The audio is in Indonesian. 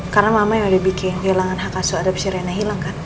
karena mama yang dibikin kehilangan hak aso adab sirena hilang kan